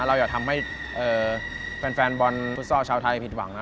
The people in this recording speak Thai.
อย่าทำให้แฟนบอลฟุตซอลชาวไทยผิดหวังนะ